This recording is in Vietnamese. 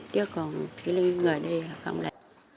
chứ còn cái người đi học không lại